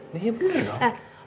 daya bener dong